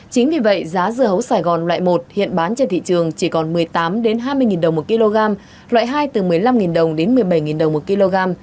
chính vì vậy giá dưa hấu sài gòn loại một hiện bán trên thị trường chỉ còn một mươi tám hai mươi đồng một kg loại hai từ một mươi năm đồng đến một mươi bảy đồng một kg